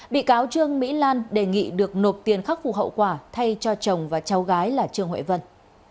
bị cáo trương mỹ lan đề nghị được nộp tiền khắc phục hậu quả thay cho chồng và cháu gái là trương huệ vân